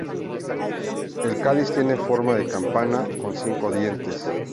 El cáliz tiene forma de campana y con cinco dientes.